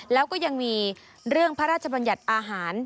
แล้วก็ยังมีเรื่องพระราชบัญญัติอาหาร